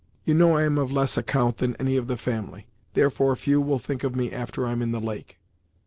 You know I am of less account than any of the family; therefore few will think of me after I'm in the lake."